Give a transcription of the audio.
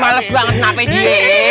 males banget kenapa dia